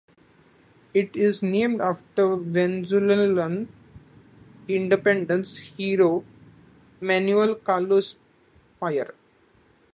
It is named after Venezuelan independence hero Manuel Carlos Piar.